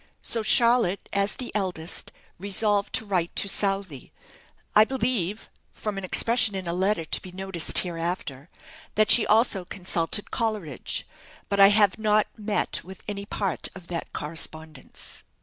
So Charlotte, as the eldest, resolved to write to Southey. I believe (from an expression in a letter to be noticed hereafter), that she also consulted Coleridge; but I have not met with any part of that correspondence.